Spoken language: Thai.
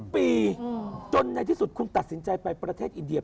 ปีจนในที่สุดคุณตัดสินใจไปประเทศอินเดีย